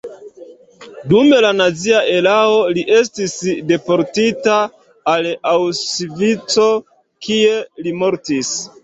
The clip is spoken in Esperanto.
Dum la nazia erao li estis deportita al Aŭŝvico, kie li mortis.